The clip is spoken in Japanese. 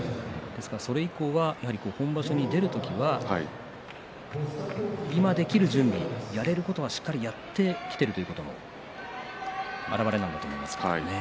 それ以降は本場所に出る時は今できる準備、やれることはしっかりやってきているということの表れだと思います。